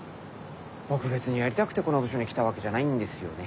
僕別にやりたくてこの部署に来たわけじゃないんですよね。